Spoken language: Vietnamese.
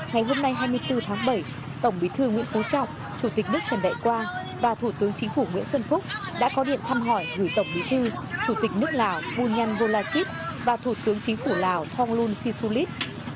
ngày hôm nay hai mươi bốn tháng bảy tổng bí thư nguyễn phú trọng chủ tịch nước trần đại quang và thủ tướng chính phủ nguyễn xuân phúc đã có điện thăm hỏi gửi tổng bí thư chủ tịch nước lào vu nhăn vô la chít và thủ tướng chính phủ lào thỏng luông si sô lít